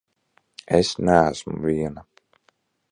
Es neesmu viena!